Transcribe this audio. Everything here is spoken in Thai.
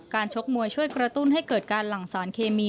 ชกมวยช่วยกระตุ้นให้เกิดการหลั่งสารเคมี